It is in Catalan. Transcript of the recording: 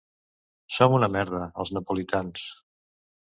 Som una merda, els napolitans.